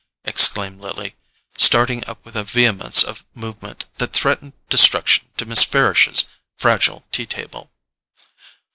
exclaimed Lily, starting up with a vehemence of movement that threatened destruction to Miss Farish's fragile tea table.